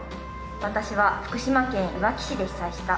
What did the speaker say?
「私は福島県いわき市で被災した」。